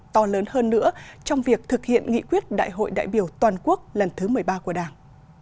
to lớn hơn nữa trong việc thực hiện nghị quyết đại hội đại biểu toàn quốc lần thứ một mươi ba của đảng